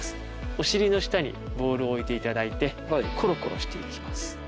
お尻の下にボールを置いていただいてコロコロして行きます。